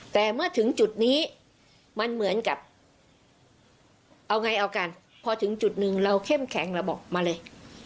แต่เมื่อถึงจุดนี้มันเหมือนกับเอาไงเอากันพอถึงจุดหนึ่งเราเข้มแข็งเราบอกมาเลย